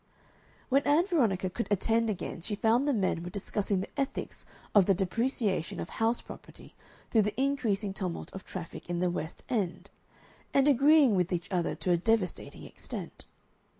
When Ann Veronica could attend again she found the men were discussing the ethics of the depreciation of house property through the increasing tumult of traffic in the West End, and agreeing with each other to a devastating extent.